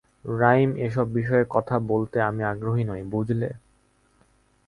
Rhyme, এসব বিষয়ে কথা বলতে আমি আগ্রহী নই, বুঝলে?